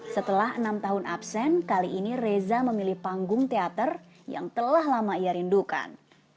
setelah enam tahun absen kali ini reza memilih panggung teater yang telah lama ia rindukan